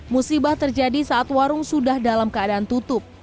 musibah terjadi saat warung sudah dalam keadaan tutup